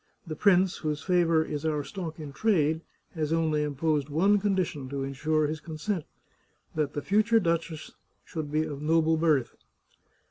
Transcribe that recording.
The prince, whose favour is our stock in trade, has only imposed one condition to insure his consent — that the future duchess should be of noble birth.